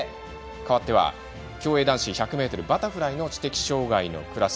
かわっては競泳男子１００ｍバタフライの知的障がいのクラス。